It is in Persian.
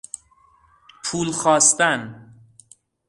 پول خواستن